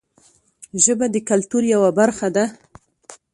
ژبه د کلتور یوه برخه ده